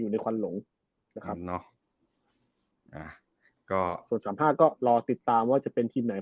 ส่วน๓๕ก็รอติดตามว่าจะเป็นทีมไหน